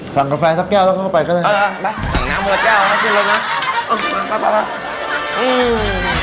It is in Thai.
สั่งกาแฟสักแก่วแล้วเข้าไปก็ได้